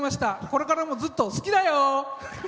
これからも、ずっと好きだよ！